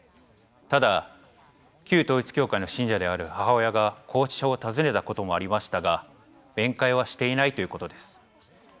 ただ、旧統一教会の信者である母親が拘置所を訪ねたこともありましたが面会はしていないということです。